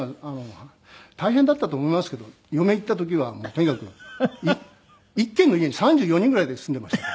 大変だったと思いますけど嫁いった時はもうとにかく１軒の家に３４人ぐらいで住んでましたから。